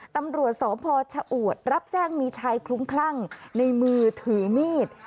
ตำรวจสพชะอวดรับแจ้งมีชายคลุ้มคลั่งในมือถือมีด